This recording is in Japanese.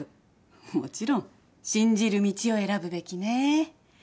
もちろん信じる道を選ぶべきね。